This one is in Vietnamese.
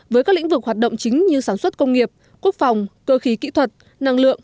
với các lĩnh vực hoạt động chính như sản xuất công nghiệp quốc phòng cơ khí kỹ thuật năng lượng